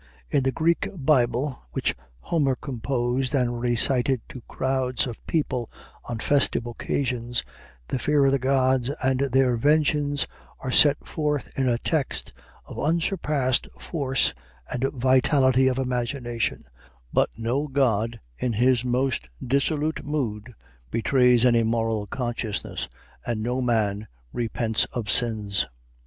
In the Greek Bible, which Homer composed and recited to crowds of people on festive occasions, the fear of the gods and their vengeance are set forth in a text of unsurpassed force and vitality of imagination; but no god in his most dissolute mood betrays any moral consciousness, and no man repents of sins.